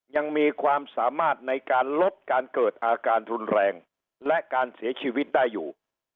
ยังมีความสามารถในการลดการเกิดอาการรุนแรงและการเสียชีวิตได้อยู่